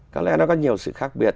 có lẽ nó có nhiều sự khác biệt